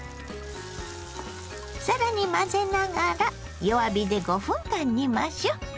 更に混ぜながら弱火で５分間煮ましょう。